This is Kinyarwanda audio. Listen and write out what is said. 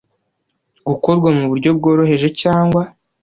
gukorwa mu buryo bworoheje cyangwa